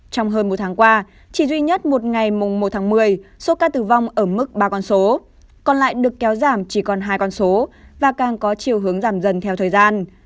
trong hơn một tháng qua chỉ duy nhất một ngày mùng một tháng một mươi số ca tử vong ở mức ba con số còn lại được kéo giảm chỉ còn hai con số và càng có chiều hướng giảm dần theo thời gian